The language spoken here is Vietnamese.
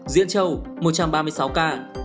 diễn châu một trăm ba mươi sáu ca